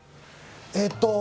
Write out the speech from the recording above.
えっと